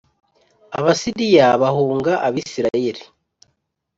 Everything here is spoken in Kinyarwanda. Abasiriya bahunga Abisirayeli